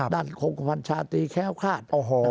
ด้านโครงพันธ์ชาติแค้วข้าด